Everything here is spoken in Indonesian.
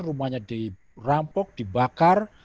rumahnya dirampok dibakar